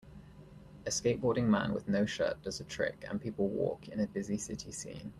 A skateboarding man with no shirt does a trick and people walk in a busy city scene.